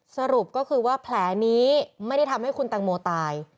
สรุปก็คือว่าแผลนี้ไม่ได้ทำให้คุณตังโมตาย